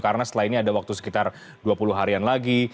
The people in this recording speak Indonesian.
karena setelah ini ada waktu sekitar dua puluh harian lagi